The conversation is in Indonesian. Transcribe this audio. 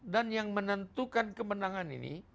dan yang menentukan kemenangan ini